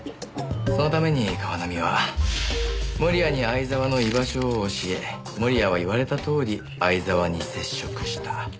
そのために川南は盛谷に相沢の居場所を教え盛谷は言われたとおり相沢に接触した。